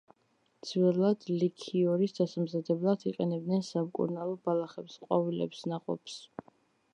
ძველად ლიქიორის დასამზადებლად იყენებდნენ სამკურნალო ბალახებს, ყვავილებს, ნაყოფს.